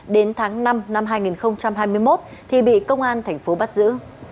đến tháng năm năm hai nghìn hai mươi một thì bị công an thành phố bắt giữ